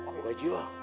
pake baju lah